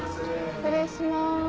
失礼します。